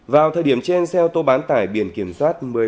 vào thời điểm trên xe ô tô bán tải biển kiểm soát